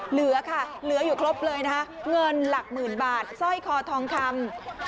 เหลือค่ะเหลืออยู่ครบเลยนะคะเงินหลักหมื่นบาทสร้อยคอทองคำ